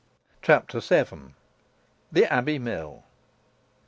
CHAPTER VII. THE ABBEY MILL.